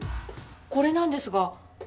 これなんですが。